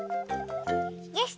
よし！